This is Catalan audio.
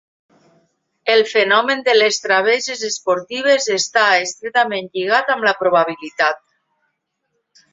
El fenomen de les travesses esportives està estretament lligat amb la probabilitat.